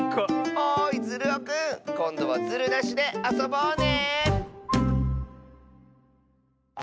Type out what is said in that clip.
おいズルオくんこんどはズルなしであそぼうね！